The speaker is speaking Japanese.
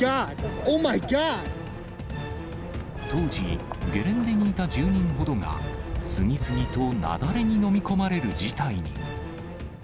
当時、ゲレンデにいた１０人ほどが、次々と雪崩に飲み込まれる事態に。